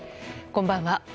こんばんは。